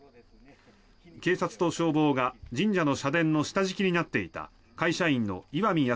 警察と消防が神社の社殿の下敷きになっていた会社員の石見安